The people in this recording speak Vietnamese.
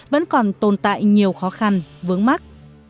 vẫn còn tồn tại nhiều khó khăn vướng mắt